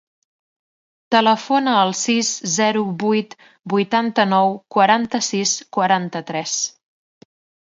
Telefona al sis, zero, vuit, vuitanta-nou, quaranta-sis, quaranta-tres.